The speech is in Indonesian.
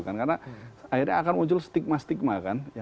karena akhirnya akan muncul stigma stigma